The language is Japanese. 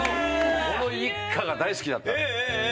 この「いっか」が大好きだった。